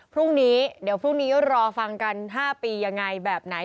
พรุ่งนี้ดูรอฟังกัน๕ปียังไงแบบไหน